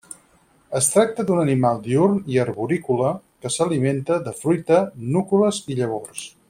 Es tracta d'un animal diürn i arborícola que s'alimenta de fruita, núcules i llavors.